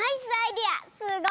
すごい！